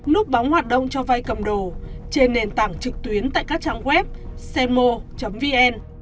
núp bóng hoạt động cho vay cầm đồ trên nền tảng trực tuyến tại các trang web semo vn